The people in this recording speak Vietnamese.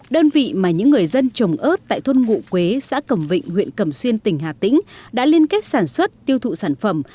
đơn vị mà những người dân trồng ớt tại thôn ngụ quế xã cẩm vịnh huyện cẩm xuyên tỉnh hà tĩnh đã liên kết sản xuất tiêu thụ sản phẩm